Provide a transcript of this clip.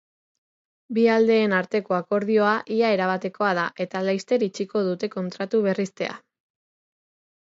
Bi aldeen arteko akordioa ia erabatekoa da, eta laster itxiko dute kontratu-berriztea.